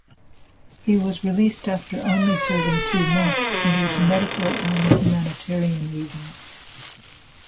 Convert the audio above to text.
He was released after only serving two months due to medical and humanitarian reasons.